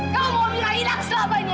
kamu mau mirah hilang selamanya